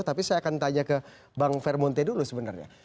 tapi saya akan tanya ke bang fermonte dulu sebenarnya